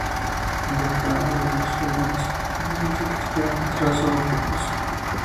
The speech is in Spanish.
El Doctor habla de los Silurians y dice que espera encontrar solo unos pocos.